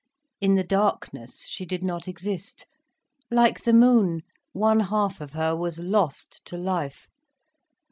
In the darkness, she did not exist. Like the moon, one half of her was lost to life.